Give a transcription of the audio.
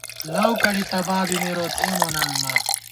لؤ کڑی تبابی مِروت، اے مونہ اللہ